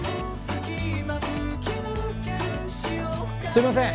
すいません！